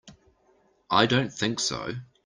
I don't think so.